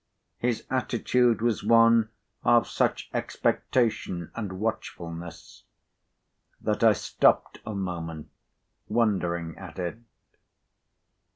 His attitude was one of such expectation and watchfulness, that I stopped a moment, wondering at it.